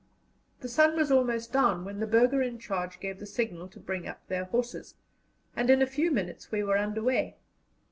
The sun was almost down when the burgher in charge gave the signal to bring up their horses, and in a few minutes we were under way.